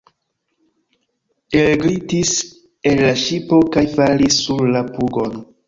Elglitis el la ŝipo kaj falis sur la pugon.